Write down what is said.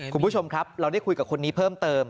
คุณผู้ชมครับเราได้คุยกับคนนี้เพิ่มเติม